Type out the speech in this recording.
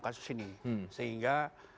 kasus ini sehingga